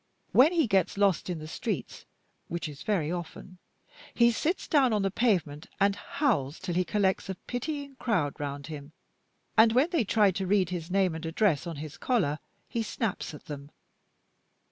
When he gets lost in the streets (which is very often), he sits down on the pavement and howls till he collects a pitying crowd round him; and when they try to read his name and address on his collar he snaps at them.